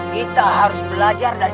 kita harus belajar dari